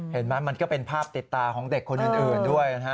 เห็นไหมมันก็เป็นภาพติดตาของเด็กคนอื่นด้วย